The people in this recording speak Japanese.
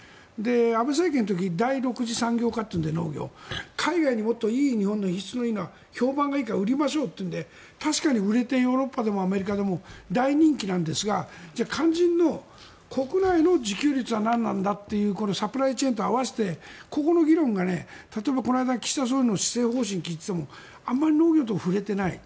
安倍政権の時に農業を第６次産業化というので海外にもっと日本の質がいいから売りましょうと言って確かに売れてアメリカでもヨーロッパでも大人気なんですが肝心の国内の自給率はなんなんだというサプライチェーンと合わせてここの議論が例えばこの間の岸田総理の施政方針演説を見ていてもあまり農業に触れていない。